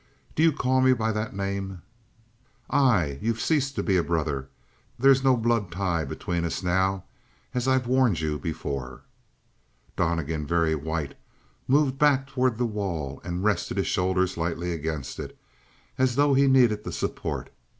"Do you call me by that name?" "Aye. You've ceased to be a brother. There's no blood tie between us now, as I warned you before." Donnegan, very white, moved back toward the wall and rested his shoulders lightly against it, as though he needed the support.